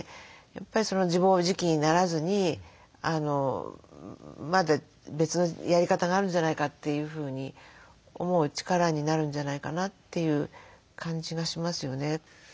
やっぱり自暴自棄にならずにまだ別のやり方があるんじゃないかというふうに思う力になるんじゃないかなという感じがしますよね。